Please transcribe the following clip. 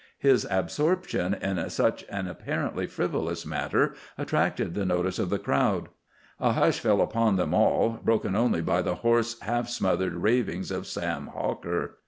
His absorption in such an apparently frivolous matter attracted the notice of the crowd. A hush fell upon them all, broken only by the hoarse, half smothered ravings of Sam Hawker.